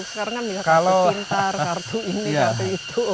sekarang kan ya kartu pintar kartu ini kartu itu